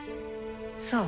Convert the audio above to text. そう。